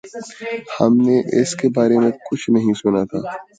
ہم نے اس کے بارے میں کچھ نہیں سنا تھا۔